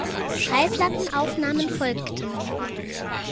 Schallplattenaufnahmen folgten.